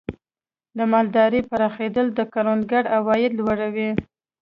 د مالدارۍ پراخېدل د کروندګر عواید لوړوي.